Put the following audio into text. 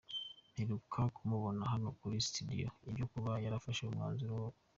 Mperuka kumubona hano kuri studio, ibyo kuba yarafashe umwanzuro wo.